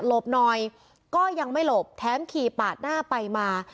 บหน่อยก็ยังไม่หลบแถมขี่ปาดหน้าไปมา